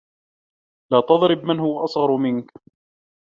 لَا تَضْرِبْ مَنْ هُوَ أَصْغَرُ مِنْكَ.